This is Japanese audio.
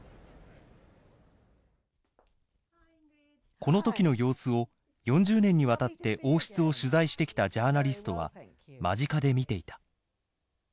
この時の様子を４０年にわたって王室を取材してきたジャーナリストは間近で見ていた。